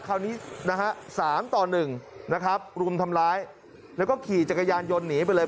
คราวนี้นะฮะ๓ต่อ๑นะครับรุมทำร้ายแล้วก็ขี่จักรยานยนต์หนีไปเลย